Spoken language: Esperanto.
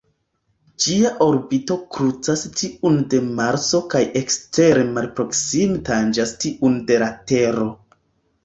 Ĝia orbito krucas tiun de Marso kaj ekstere malproksime tanĝas tiun de la Tero.